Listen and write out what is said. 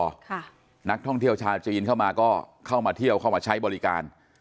ค่ะนักท่องเที่ยวชาวจีนเข้ามาก็เข้ามาเที่ยวเข้ามาใช้บริการ